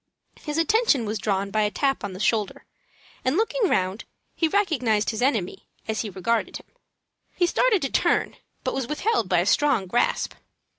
His attention was drawn by a tap on the shoulder, and, looking round, he recognized his enemy, as he regarded him. He started to run, but was withheld by a strong grasp.